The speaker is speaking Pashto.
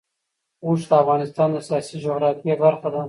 اوښ د افغانستان د سیاسي جغرافیه برخه ده.